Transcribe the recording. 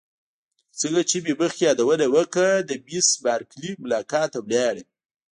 لکه څنګه چې مې مخکې یادونه وکړه د میس بارکلي ملاقات ته ولاړم.